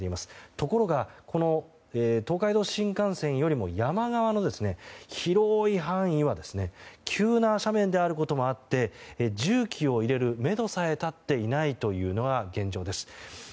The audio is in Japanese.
ところが東海道新幹線よりも山側の広い範囲は急な斜面であることもあって重機を入れるめどさえ立っていないのが現状です。